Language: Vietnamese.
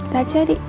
da chết ý